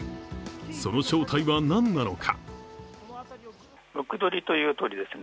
その正体は何なのか。